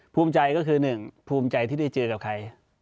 ภูมิใจก็คือหนึ่งภูมิใจที่ได้เจอกับใคร